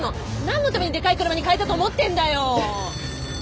何のためにでかい車に替えたと思ってんだよ！